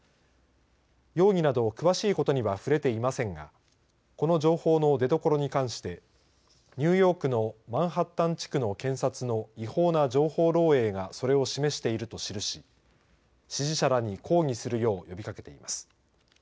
容疑など、詳しいことには触れていませんがこの情報の出どころに関してニューヨークのマンハッタン地区の検察の違法な情報漏えいがそれを示していると記し支持者らに抗議するよう呼びかけています。